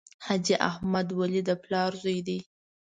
حاجي احمد ولي د پلار زوی دی.